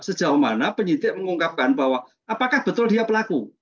sejauh mana penyidik mengungkapkan bahwa apakah betul dia pelaku